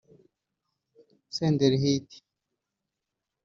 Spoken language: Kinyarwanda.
Senderi Hit